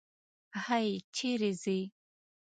هی! چېرې ځې؟